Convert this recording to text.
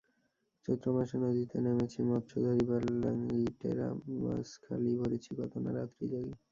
চৈত্র মাসে নদীতে নেমেছি মত্স্য ধরিবার লাগিটেংরা মাছে খালই ভরেছি কত-না রাত্রি জাগি।